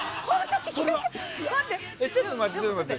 ちょっと待って。